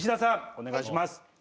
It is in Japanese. お願いします。